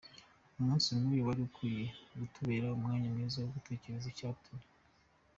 Umunsi nkuyu wari ukwiye kutubera umwanya mwiza wo gutekereza icyatumye